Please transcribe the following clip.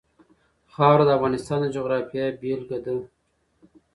خاوره د افغانستان د جغرافیې بېلګه ده.